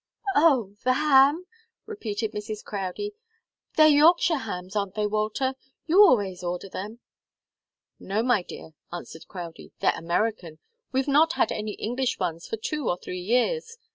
"Oh the ham?" repeated Mrs. Crowdie. "They're Yorkshire hams, aren't they, Walter? You always order them." "No, my dear," answered Crowdie. "They're American. We've not had any English ones for two or three years.